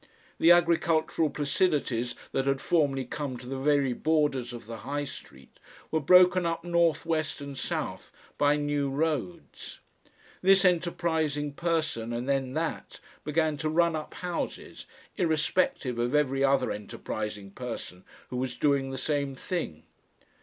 The agricultural placidities that had formerly come to the very borders of the High Street were broken up north, west and south, by new roads. This enterprising person and then that began to "run up" houses, irrespective of every other enterprising person who was doing the same thing.